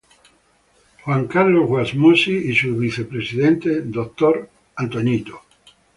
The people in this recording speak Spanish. Juan Carlos Wasmosy y su vicepresidente Dr.